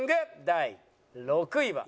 第６位は。